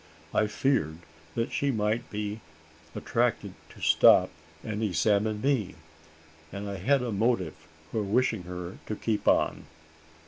I feared that she might be attracted to stop and examine me; and I had a motive for wishing her to keep on.